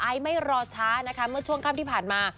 ไม่รอช้านะคะเมื่อช่วงค่ำที่ผ่านมา